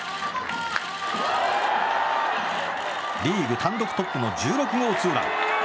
リーグ単独トップの１６号ツーラン。